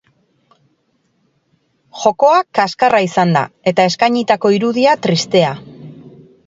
Jokoa kaskarra izan da eta eskainitako irudia tristea.